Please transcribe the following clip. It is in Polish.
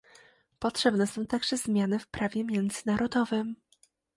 Potrzebne są także zmiany w prawie międzynarodowym